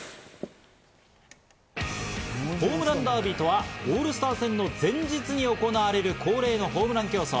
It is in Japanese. ホームランダービーとはオールスター戦の前日に行われる恒例のホームラン競争。